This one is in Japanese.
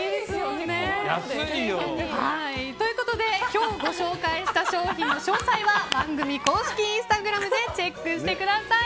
今日ご紹介した商品の詳細は番組公式インスタグラムでチェックしてください。